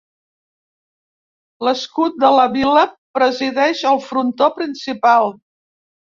L'escut de la vila presideix el frontó principal.